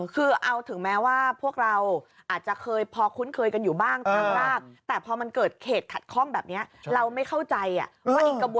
คือเอาถึงแม้ว่าพวกเราอาจจะเคยพอคุ้นเคยกันอยู่บ้างทางราบ